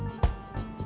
menjauh dari sini